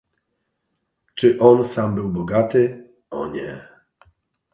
"„Czy on sam był bogaty?“ „O nie!"